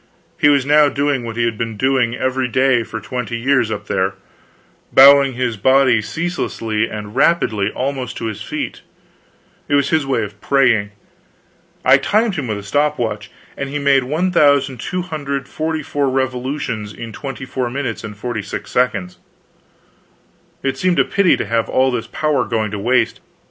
He was now doing what he had been doing every day for twenty years up there bowing his body ceaselessly and rapidly almost to his feet. It was his way of praying. I timed him with a stop watch, and he made 1,244 revolutions in 24 minutes and 46 seconds. It seemed a pity to have all this power going to waste.